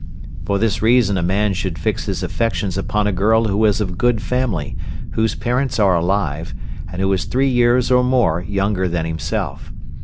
For this reason a man should fix his affections upon a girl who is of good family, whose parents are alive, and who is three years or more younger than himself.